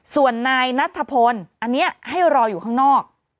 ส่วนนายนัทธพลอันนี้ให้รออยู่ข้างนอก